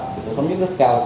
thì nó có mức rất cao